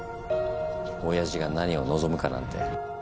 おやじが何を望むかなんて。